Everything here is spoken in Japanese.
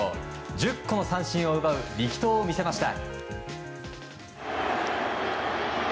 １０個の三振を奪う力投を見せました。